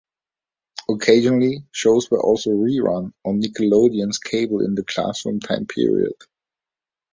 Occasionally, shows were also rerun on Nickelodeon's Cable in the Classroom time period.